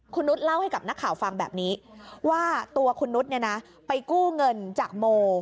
คุณนุษย์เล่าให้กับนักข่าวฟังแบบนี้ว่าตัวคุณนุษย์ไปกู้เงินจากโม